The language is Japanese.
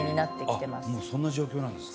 もうそんな状況なんですか？